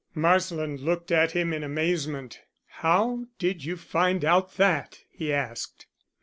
Marsland looked at him in amazement. "How did you find out that?" he asked.